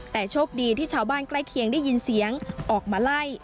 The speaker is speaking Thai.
แต่โชคดีที่ชาวบ้านใกล้เคียงได้ยินเสียงออกมาไล่